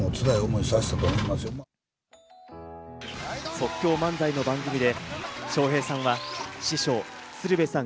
即興漫才の番組で、笑瓶さんは師匠・鶴瓶さん